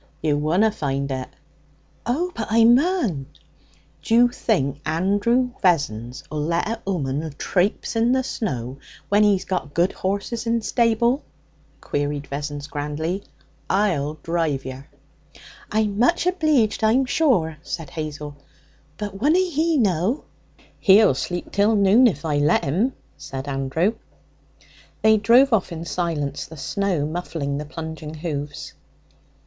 'You wunna find it.' 'Oh, but I mun!' 'D'you think Andrew Vessons'll let an 'ooman trapse in the snow when he's got good horses in stable?' queried Vessons grandly. 'I'll drive yer.' 'I'm much obleeged, I'm sure,' said Hazel. 'But wunna he know?' 'He'll sleep till noon if I let 'im,' said Andrew. They drove off in silence, the snow muffling the plunging hoofs.